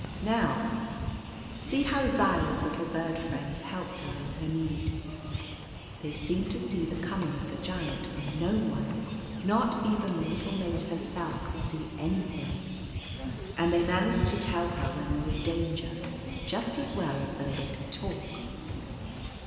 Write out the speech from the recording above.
Now, see how Zaya's little bird friends helped her in her need. They seemed to see the coming of the Giant when no one — not even the little maid herself — could see anything, and they managed to tell her when there was danger just as well as though they could talk.